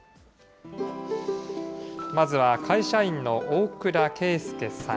まずは会社員の大倉佳祐さん。